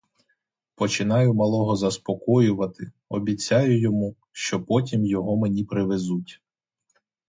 Починаю малого заспокоювати, обіцяю йому, що потім його мені привезуть.